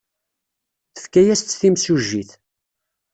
Tefka-as-tt timsujjit.